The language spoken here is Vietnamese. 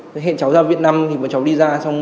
cháu hẹn cháu ra việt nam cháu đi ra